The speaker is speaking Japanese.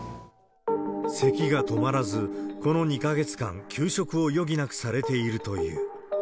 せきが止まらず、この２か月間、休職を余儀なくされているという。